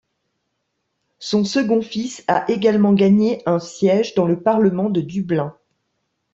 Son second fils a également gagné un siège dans le Parlement de Dublin.